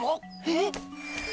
えっ？